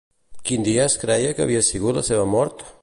Quin dia es creia que havia sigut la seva mort?